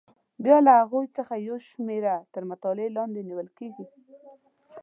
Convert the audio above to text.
بیا له هغو څخه یوه شمېره تر مطالعې لاندې نیول کېږي.